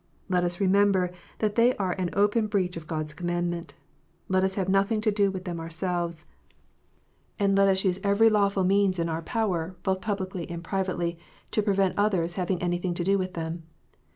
Let us remember that they are an open breach of God s commandment. Let us have nothing to do with them ourselves, and let us use every lawful means in our THE SABBATH. 317 power, both publicly and privately, to prevent others having anything to do with them.